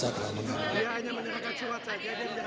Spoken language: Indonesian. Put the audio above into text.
ya hanya menyerahkan cuaca